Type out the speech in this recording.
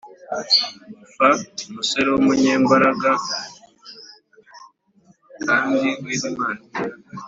f umusore w umunyambaraga kandi w intwari